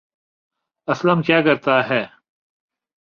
اسلم کیا کرتا ہے